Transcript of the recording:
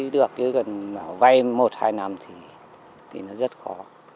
được chứ cần vay một hai năm thì nó rất khó